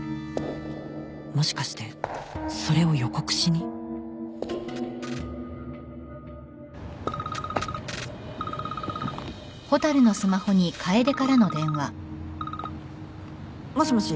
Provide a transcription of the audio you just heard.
もしかしてそれを予告しに？もしもし？